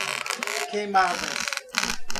Queimadas